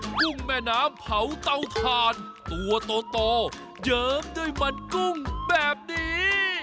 กุ้งแม่น้ำเผาเตาถ่านตัวโตเยิ้มด้วยมันกุ้งแบบนี้